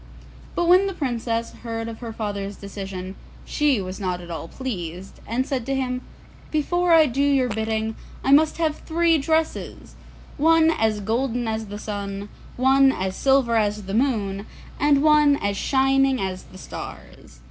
But when the Princess heard of her father's decision, she was not at all pleased, and said to him, 'Before I do your bidding, I must have three dresses; one as golden as the sun, one as silver as the moon, and one as shining as the stars.